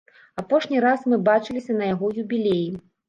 Апошні раз мы бачыліся на яго юбілеі.